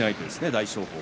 大翔鵬。